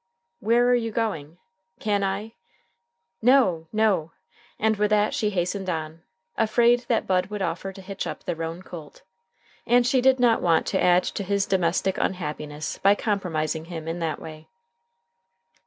"Where are you going? Can I " "No, no!" And with that she hastened on, afraid that Bud would offer to hitch up the roan colt. And she did not want to add to his domestic unhappiness by compromising him in that way.